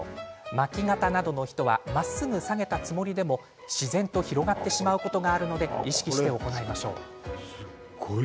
巻き肩などの人はまっすぐ下げたつもりでも自然と広がってしまうことがあるので意識して行いましょう。